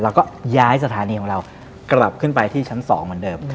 เราก็ย้ายสถานีของเรากลับขึ้นไปที่ชั้น๒เหมือนเดิม